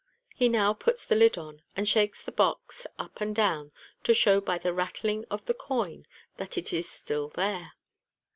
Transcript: He now puts the lid on, and shakes the box up and down, to show by the rattling of the coin that it is still there.